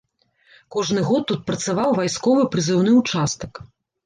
Кожны год тут працаваў вайсковы прызыўны ўчастак.